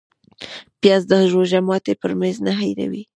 پیاز د روژه ماتي پر میز نه هېروې